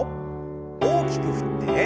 大きく振って。